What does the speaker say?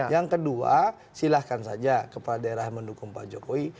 yang kedua silahkan saja kepala daerah mendukung pak jokowi